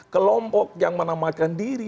kelompok yang menamakan diri